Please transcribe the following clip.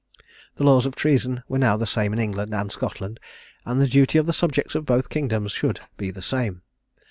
The laws of treason were now the same in England and Scotland, and the duty of the subjects of both kingdoms should be the same.